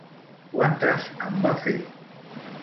Quantes en va fer?